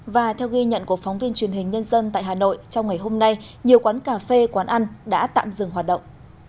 và theo ghi nhận của phóng viên truyền hình nhân dân tại hà nội trong ngày hôm nay nhiều quán cà phê quán ăn đã tạm dừng hoạt động